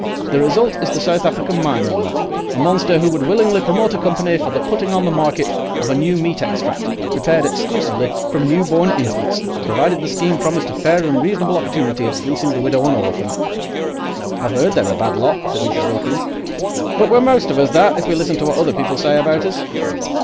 The result is the South African mine owner, a monster who would willingly promote a company for the putting on the market of a new meat extract, prepared exclusively from new born infants, provided the scheme promised a fair and reasonable opportunity of fleecing the widow and orphan." "I've 'eard they're a bad lot," said Mrs. Wilkins. "But we're most of us that, if we listen to what other people say about us."